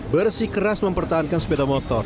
bersih keras mempertahankan sepeda motor